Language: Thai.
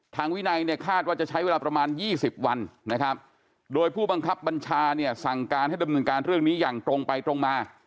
วินัยเนี่ยคาดว่าจะใช้เวลาประมาณ๒๐วันนะครับโดยผู้บังคับบัญชาเนี่ยสั่งการให้ดำเนินการเรื่องนี้อย่างตรงไปตรงมา